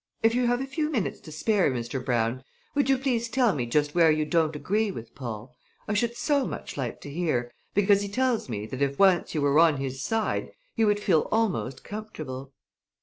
If you have a few minutes to spare, Mr. Brown, would you please tell me just where you don't agree with Paul? I should so much like to hear, because he tells me that if once you were on his side he would feel almost comfortable."